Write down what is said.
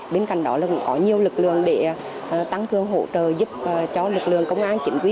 bên cạnh đó là cũng có nhiều lực lượng để tăng cường hỗ trợ giúp cho lực lượng công an chính quy